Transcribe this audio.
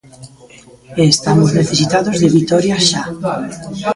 E estamos necesitados de vitorias xa.